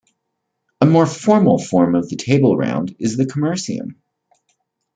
A more formal form of the tableround is the commercium.